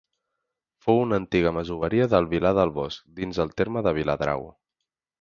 Fou una antiga masoveria del Vilar del Bosc dins el terme de Viladrau.